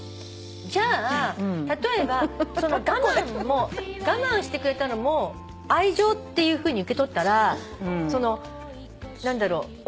じゃあ例えばその我慢してくれたのも愛情っていうふうに受け取ったらその何だろう。